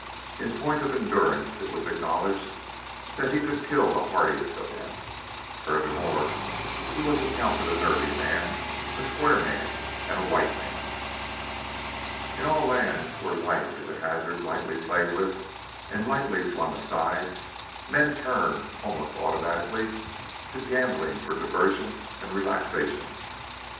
In point of endurance it was acknowledged that he could kill the hardiest of them. Furthermore, he was accounted a nervy man, a square man, and a white man. In all lands where life is a hazard lightly played with and lightly flung aside, men turn, almost automatically, to gambling for diversion and relaxation.